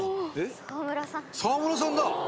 「沢村さんだ！」